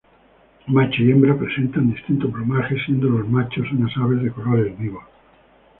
Macho y hembra presentan distinto plumaje, siendo los machos unas aves de colores vivos.